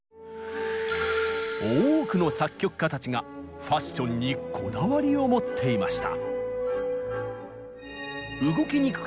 多くの作曲家たちがファッションにこわだりを持っていました！